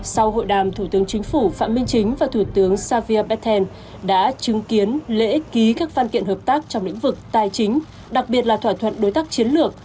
sau hội đàm thủ tướng chính phủ phạm minh chính và thủ tướng savia berthen đã chứng kiến lễ ký các văn kiện hợp tác trong lĩnh vực tài chính đặc biệt là thỏa thuận đối tác chiến lược